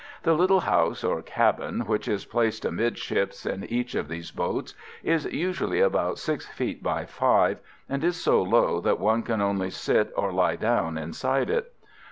The little house, or cabin, which is placed amidships in each of these boats, is usually about 6 feet by 5, and is so low that one can only sit or lie down inside it.